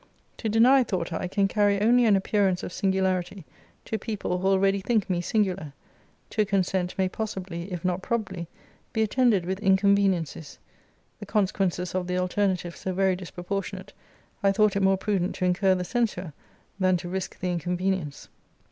To deny, thought I, can carry only an appearance of singularity to people who already think me singular. To consent may possibly, if not probably, be attended with inconveniencies. The consequences of the alternative so very disproportionate, I thought it more prudent to incur the censure, than to risque the inconvenience.'